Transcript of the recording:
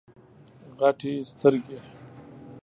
غټي سترګي